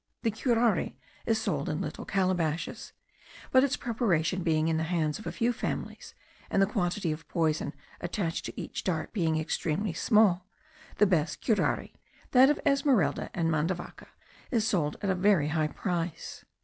The curare is sold in little calabashes; but its preparation being in the hands of a few families, and the quantity of poison attached to each dart being extremely small, the best curare, that of Esmeralda and Mandavaca, is sold at a very high price.